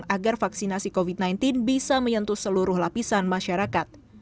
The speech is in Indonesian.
untuk mengurangi infeksi covid sembilan belas bisa menyentuh seluruh lapisan masyarakat